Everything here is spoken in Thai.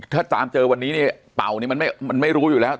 ถ้าตามเจอวันนี้เนี่ยเป่านี่มันไม่รู้อยู่แล้ว